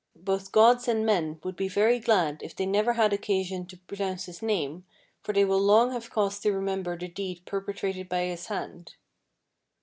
Both gods and men would be very glad if they never had occasion to pronounce his name, for they will long have cause to remember the deed perpetrated by his hand.